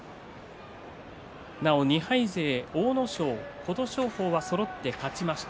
なお２敗勢、阿武咲、琴勝峰はそろって勝ちました。